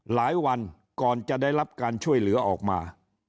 หลายวันก่อนจะได้รับการช่วยเหลือออกมา